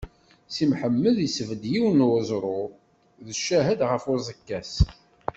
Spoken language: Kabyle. Si Mḥemmed isbedd yiwen n uẓru d ccahed ɣef uẓekka-s.